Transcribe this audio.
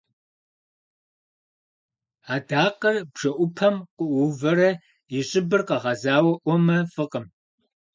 Адакъэр бжэӏупэм къыӏуувэрэ и щӏыбыр къэгъэзауэ ӏуэмэ, фӏыкъым.